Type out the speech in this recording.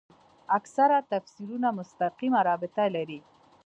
اکثره تفسیرونه مستقیمه رابطه لري.